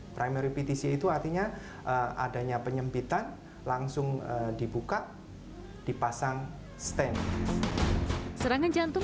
primary ptc itu artinya adanya penyempitan langsung dibuka dipasang stand serangan jantung